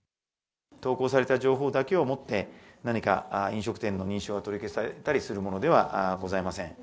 投稿された情報だけをもって、何か飲食店の認証が取り消されたりするものではございません。